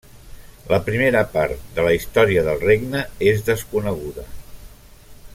La primera part de la història del regne és desconeguda.